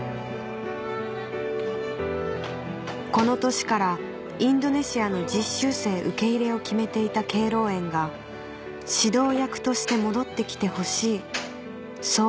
この年からインドネシアの実習生受け入れを決めていた敬老園が指導役として戻って来てほしいそう